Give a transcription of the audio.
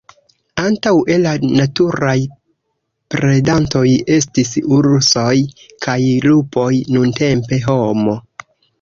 Antaŭe la naturaj predantoj estis ursoj kaj lupoj; nuntempe homo.